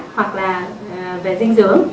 hoặc là về dinh dưỡng